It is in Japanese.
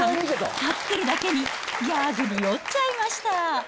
カクテルだけに、ギャグに酔っちゃいました。